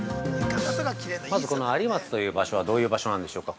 ◆まず、この有松という場所はどういう場所なんでしょうか。